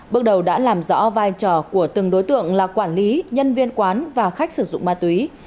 bước đầu đã làm rõ vai trò của từng đối tượng là quản lý nhân viên quán và khách sử dụng ma túy